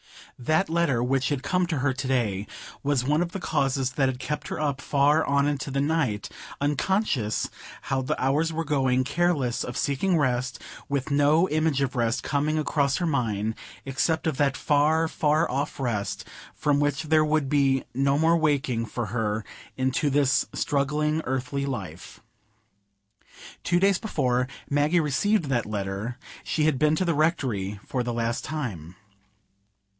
That letter, which had come to her to day, was one of the causes that had kept her up far on into the night, unconscious how the hours were going, careless of seeking rest, with no image of rest coming across her mind, except of that far, far off rest from which there would be no more waking for her into this struggling earthly life. Two days before Maggie received that letter, she had been to the Rectory for the last time.